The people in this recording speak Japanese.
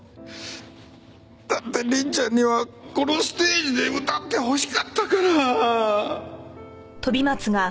だって凛ちゃんにはこのステージで歌ってほしかったから。